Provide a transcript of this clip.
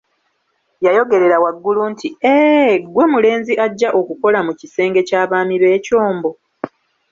Yayogerera waggulu nti Ee ggwe mulenzi ajja okukola mu kisenge ky'abaami b'ekyombo.